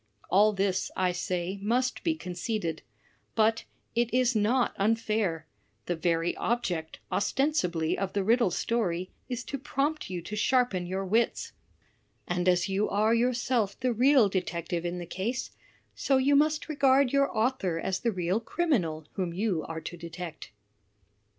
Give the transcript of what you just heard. All this, I say, must be conceded; but it is not unfair; the very object, ostensibly, of th*e riddle story is to prompt you to sharpen your wits; and as you are yourself the real detective in the M ^ 62 THE TECHNIQUE OF THE MYSTERY STORY case, SO you must regard your author as the real criminal whom you are to detect."